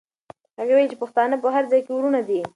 هغې وویل چې پښتانه په هر ځای کې وروڼه دي.